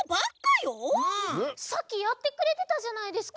さっきやってくれてたじゃないですか。